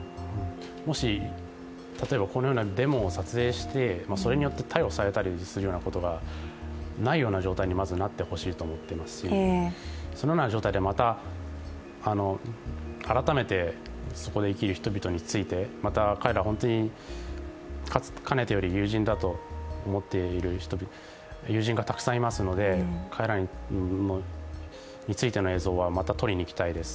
もし例えばこのようなデモを撮影してそれによって逮捕されたりするようなことがないような状態にまずなってほしいと思ってますしそのような状態でまた改めてそこで生きる人々についてまた彼らは本当に、かねてから友人だと思っている人で、友人がたくさんいますので、彼らについての映像はまた撮りにいきたいです。